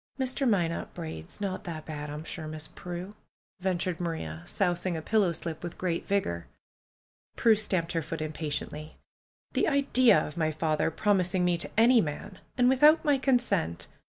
^^Mr. Minot Braid's not that bad, I'm sure. Miss Prue," ventured Maria, sousing a pillow slip with great vigor. Prue stamped her foot impatiently. ^^The idea of my father promising me to any man! And without my consent